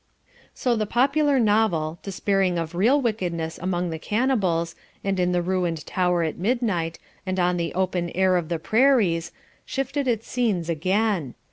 So the popular novel, despairing of real wickedness among the cannibals, and in the ruined tower at midnight, and on the open air of the prairies, shifted its scenes again.